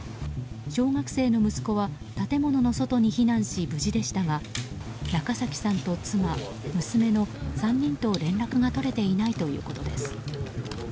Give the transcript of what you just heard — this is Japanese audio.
小学生の息子は建物の外に避難し、無事でしたが中崎さんと妻、娘の３人と連絡が取れていないということです。